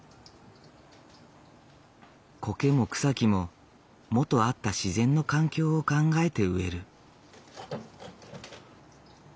コケも草木も元あった自然の環境を考えて植える。